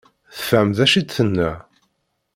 Tefhem d acu i d-tenna?